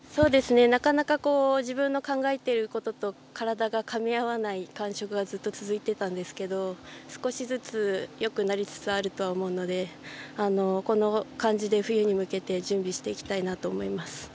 なかなか自分の考えていることと体がかみ合わない感触がずっと続いてたんですけど少しずつよくなりつつあるとは思うのでこの感じで冬に向けて準備していきたいなと思います。